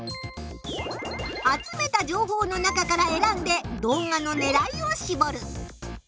集めた情報の中からえらんで動画のねらいをしぼる。